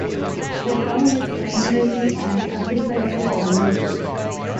The town is primarily an agricultural community.